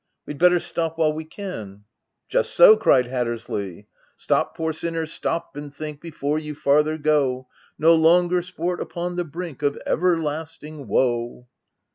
We'd better stop while we can.' " i Just so !' cried Hattersley — OF WILDFELL HALL. 41 11 Stop poor sinner, stop and think Before you farther go, No longer sport upon the brink Of everlasting woe."